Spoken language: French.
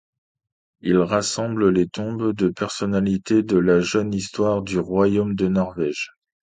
Il rassemble les tombes de personnalités de la jeune histoire du royaume de Norvège.